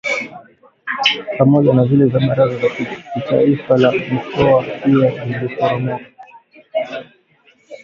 pamoja na vile vya Baraza la Kitaifa la Mikoa pia liliporomoka